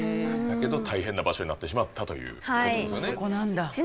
だけど大変な場所になってしまったということですよね。